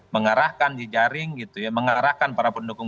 mengarahkan di jaring mengarahkan para pendukung